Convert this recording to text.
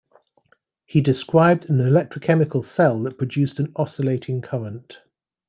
He described an electrochemical cell that produced an oscillating current.